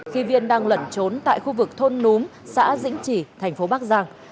khi viên đang lẩn trốn tại khu vực thôn núm xã dĩnh chỉ thành phố bắc giang